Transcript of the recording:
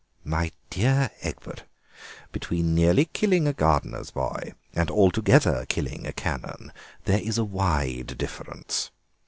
"My dear Egbert, between nearly killing a gardener's boy and altogether killing a Canon there is a wide difference.